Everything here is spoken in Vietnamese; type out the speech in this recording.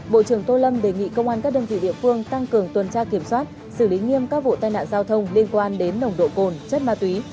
bộ trưởng tô lâm đề nghị công an các đơn vị địa phương tăng cường tuần tra kiểm soát xử lý nghiêm các vụ tai nạn giao thông liên quan đến nồng độ cồn chất ma túy